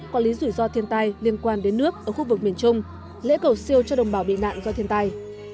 quản lý rủi ro thiên tai liên quan đến nước ở khu vực miền trung lễ cầu siêu cho đồng bào bị nạn do thiên tai